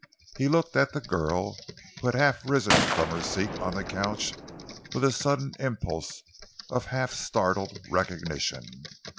He looked at the girl who had half risen from her seat on the couch with a sudden impulse of half startled recognition.